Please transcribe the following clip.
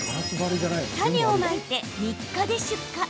種をまいて３日で出荷。